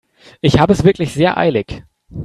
Ich habe es wirklich sehr eilig.